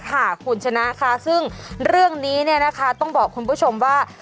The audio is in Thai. ค่ะคุณชนะค่ะซึ่งเรื่องนี้เนี่ยนะคะต้องบอกคุณผู้ชมว่า